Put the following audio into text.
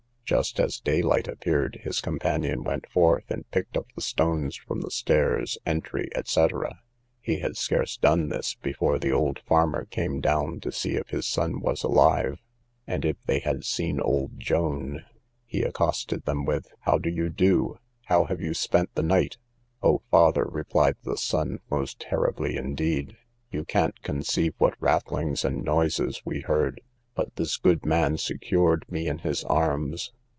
Just as day light appeared, his companion went forth, and picked up the stones from the stairs, entry, &c. He had scarce done this, before the old farmer came down, to see if his son was alive, and if they had seen old Joan. He accosted them with, How do you do? how have you spent the night? O father, replied the son, most terribly indeed. You can't conceive what rattlings and noises we heard; but this good man secured me in his arms.